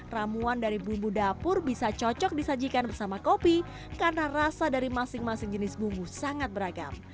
ramuan dari bumbu dapur bisa cocok disajikan bersama kopi karena rasa dari masing masing jenis bumbu sangat beragam